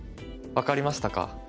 分かりましたか。